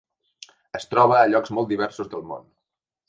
Es troba a llocs molt diversos del món.